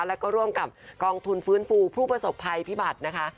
แล้วก็ร่วมกับกองทุนฟื้นฟูผู้ประสบภัยพิบัตินะคะ